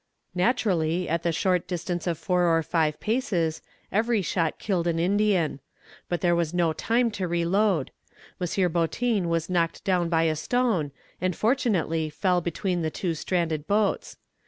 Naturally, at the short distance of four or five paces, every shot killed an Indian; but there was no time to re load. M. Boutin was knocked down by a stone, and fortunately fell between the two stranded boats.